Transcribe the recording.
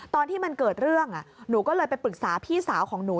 ตอนที่มันเกิดเรื่องหนูก็เลยไปปรึกษาพี่สาวของหนู